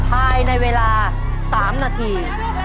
ภายในเวลา๓นาที